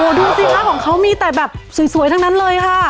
ดูสิคะของเขามีแต่แบบสวยทั้งนั้นเลยค่ะ